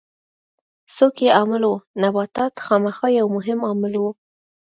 څوک یې عامل وو؟ نباتات خامخا یو مهم عامل و.